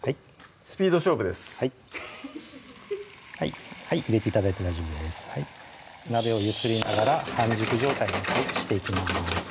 スピード勝負ですはい入れて頂いて大丈夫です鍋を揺すりながら半熟状態にしていきます